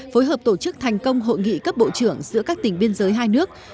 phối hợp tổ chức thành công hội nghị cấp bộ trưởng giữa các tỉnh biên giới hai nước